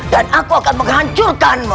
dan aku akan menghancurkanmu